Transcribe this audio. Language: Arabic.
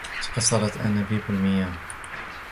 تكسرت أنابيب المياه.